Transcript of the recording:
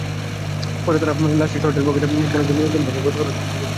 পরে তারা লাশের শার্টের পকেটে কলেজের মনোগ্রাম দেখে গতকাল কলেজে যোগাযোগ করে।